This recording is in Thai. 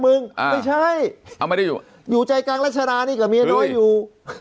มึงอ้าวไม่ใช่เอามาดูอยู่ใจการลัชรานี่กับเมียน้อยอยู่